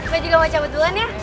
gue juga mau cabut duluan ya